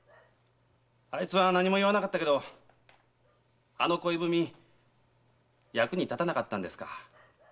あいつは何も言わなかったけどあの恋文役に立たなかったんですか？